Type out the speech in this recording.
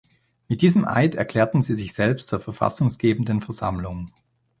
Mit diesem Eid erklärten sie sich selbst zur Verfassunggebenden Versammlung.